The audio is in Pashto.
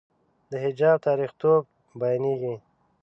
د حجاب تاریخيتوب بیانېږي.